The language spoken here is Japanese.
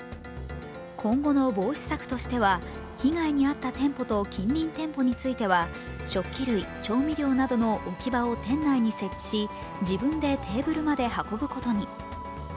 今後の防止策としては被害に遭った店舗と近隣店舗については食器類・調味料などの置き場を店内に設置し、自分でテーブルまで運ぶことに。